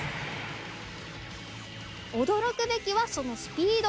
驚くべきはそのスピード。